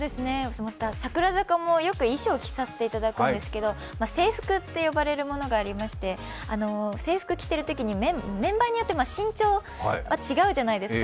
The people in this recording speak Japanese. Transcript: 櫻坂もよく衣装を着させていただくんですけど制服って呼ばれていて、制服着ているときにメンバーによって身長が違うじゃないですか。